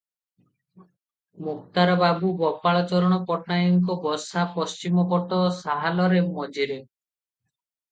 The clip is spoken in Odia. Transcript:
ମୁକ୍ତାର ବାବୁ ଗୋପାଳଚରଣ ପଟ୍ଟନାୟକଙ୍କ ବସା ପଶ୍ଚିମ ପଟ ସାହାଲର ମଝିରେ ।